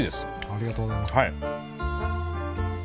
ありがとうございます。